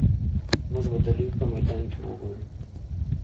موږ به د لوبې په میدان کې وګورو